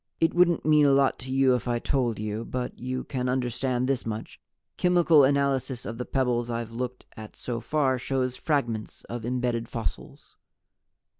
"It wouldn't mean a lot to you if I told you. But you can understand this much chemical analysis of the pebbles I've looked at so far shows fragments of embedded fossils."